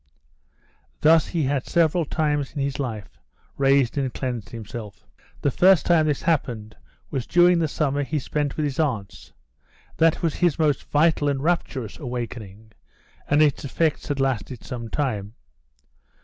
Thus he had several times in his life raised and cleansed himself. The first time this happened was during the summer he spent with his aunts; that was his most vital and rapturous awakening, and its effects had lasted some time.